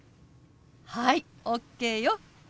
はいＯＫよ。